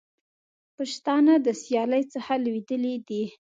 پښتانه د سیالۍ څخه لوېدلي دي.